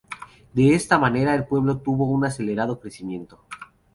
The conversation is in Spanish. De esta manera el pueblo tuvo un acelerado crecimiento.